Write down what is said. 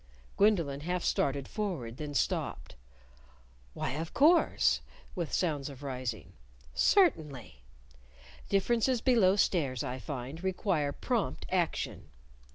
Gwendolyn half started forward, then stopped. "Why, of course!" with sounds of rising. "_Cer_tainly!" "Differences below stairs, I find, require prompt action."